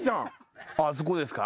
ああそこですか？